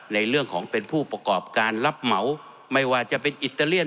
ในเรื่องของเป็นผู้ประกอบการรับเหมาไม่ว่าจะเป็นอิตาเลียน